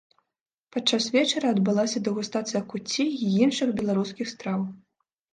Падчас вечара адбылася дэгустацыя куцці і іншых беларускіх страў.